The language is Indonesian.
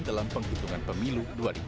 dalam penghitungan pemilu dua ribu sembilan belas